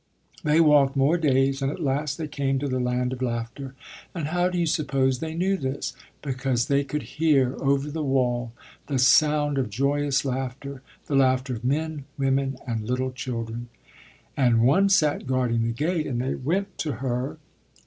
They walked more days; and at last they came to the Land of Laughter. And how do you suppose they knew this? Because they could hear, over the wall, the sound of joyous laughter the laughter of men, women and little children. And one sat guarding the gate, and they went to her.